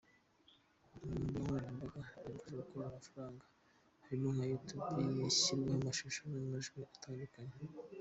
Mu mbuga nkoranyambaga zagufasha gukorera amafaranga harimo nka Youtube, ishyirwaho amashusho n’amajwi atandukanye.